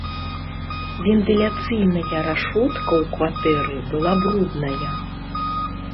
Вентыляцыйная рашотка ў кватэры была брудная.